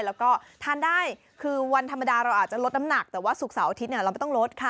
แล้วก็ทานได้คือวันธรรมดาเราอาจจะลดน้ำหนักแต่ว่าศุกร์เสาร์อาทิตย์เราไม่ต้องลดค่ะ